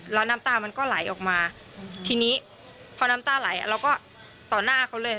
แล้วน้ำตามันก็ไหลออกมาทีนี้พอน้ำตาไหลเราก็ต่อหน้าเขาเลย